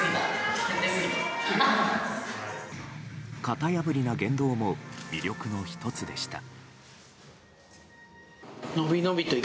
型破りな言動も魅力の１つでした。